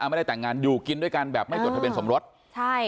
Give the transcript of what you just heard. ไม่ได้แต่งงานอยู่กินด้วยกันแบบไม่จดทะเบียนสมรสใช่